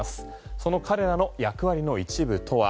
その彼らの役割の一部とは。